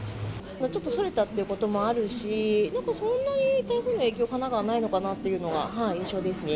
ちょっとそれたっていうこともあるし、なんかそんなに台風の影響、神奈川はないのかなっていうのが印象ですね。